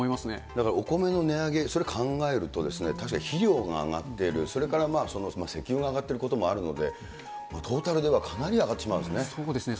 だからお米の値上げ、それ考えると、確かに肥料が上がっている、それからまた石油が上がっていることもあるので、トータルではかなり上がってしまうんですね。